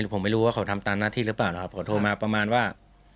ผมไม่รู้ว่าเขาทำตามหน้าที่หรือเปล่านะครับผมโทรมาประมาณว่า